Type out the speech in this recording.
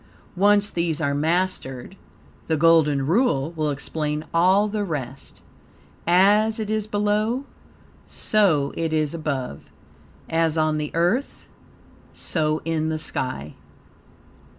Once these are mastered, the Golden Rule will explain all the rest: "As it is below, so it is above; as on the earth, so in the sky."